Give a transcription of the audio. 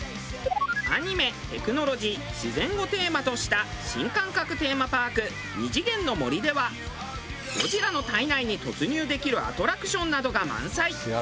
アニメテクノロジー自然をテーマとした新感覚テーマパークニジゲンノモリではゴジラの体内に突入できるアトラクションなどが満載。